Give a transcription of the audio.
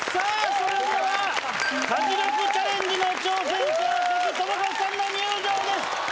それでは家事力チャレンジの挑戦者関智一さんの入場です！